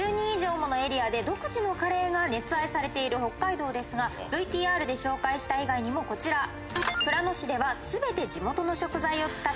１２以上ものエリアで独自のカレーが熱愛されている北海道ですがＶＴＲで紹介した以外にもこちら。